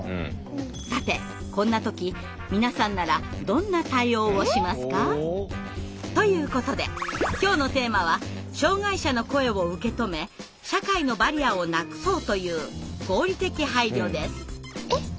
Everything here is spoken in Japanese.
さてこんな時皆さんならどんな対応をしますか？ということで今日のテーマは障害者の声を受け止め社会のバリアをなくそうという「合理的配慮」です。